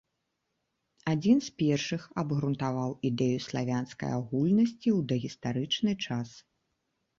Адзін з першых абгрунтаваў ідэю славянскай агульнасці ў дагістарычны час.